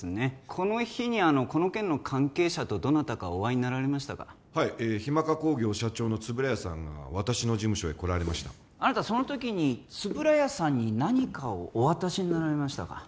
この日にこの件の関係者とどなたかお会いになられましたかはいヒマカ工業社長の円谷さんが私の事務所へ来られましたあなたその時に円谷さんに何かをお渡しになられましたか？